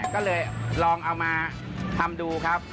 ก็เลยลองเอามาทำดูครับ